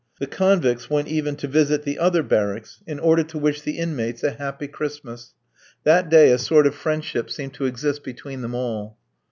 The convicts went even to visit the other barracks in order to wish the inmates a happy Christmas; that day a sort of friendship seemed to exist between them all.